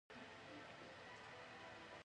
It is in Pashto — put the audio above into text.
د اوبو او انرژۍ وزارت بندونه جوړوي؟